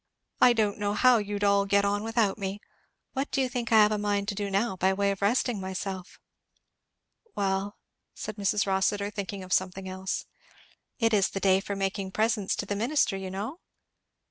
"I don't know how you'd all get on without me. What do you think I have a mind to do now, by way of resting myself?" "Well?" said Mrs Rossitur, thinking of something else. "It is the day for making presents to the minister, you know?"